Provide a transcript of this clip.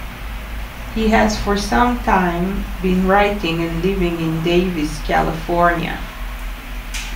He has for some time been writing and living in Davis, California.